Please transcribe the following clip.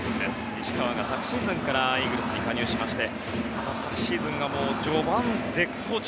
西川が昨シーズンからイーグルスに加入しまして昨シーズンは序盤、絶好調。